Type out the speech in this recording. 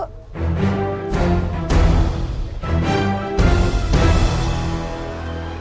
aku mau pergi ke ladang dulu